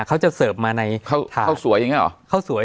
เขาจะเสิร์ฟมาในข้าวสวยอย่างนี้หรอข้าวสวย